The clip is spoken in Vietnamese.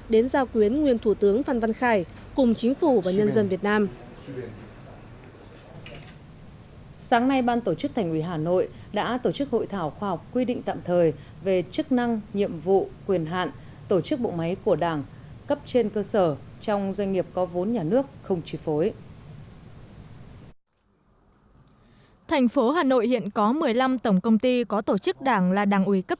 đại sứ nguyễn hải bằng đã nhắc lại những cống hiến to lớn của nguyên thủ tướng phan văn khải đối với đất nước và người dân việt nam trong thời gian ông làm việc